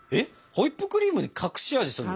ホイップクリームで隠し味するの？